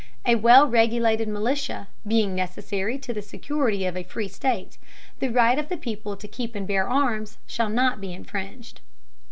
A well regulated Militia, being necessary to the security of a free State, the right of the people to keep and bear Arms, shall not be infringed.